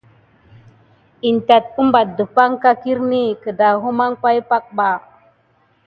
Tät dumpag ɓa kirini wudon akura dida pay ki.